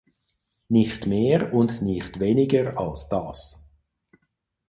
Nicht mehr und nicht weniger als das.